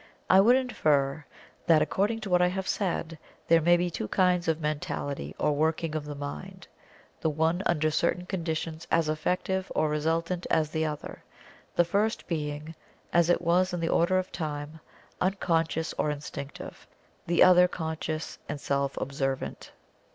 I would infer that, according to what I have said, there may be two kinds of mentality, or working of the mind the one under certain conditions as effective or resultant as the other; the first being as it was in the order of time Unconscious or Instinctive; the other, conscious and self observant.